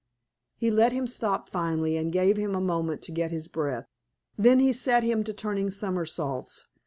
He let him stop finally, and gave him a moment to get his breath. Then he set him to turning somersaults.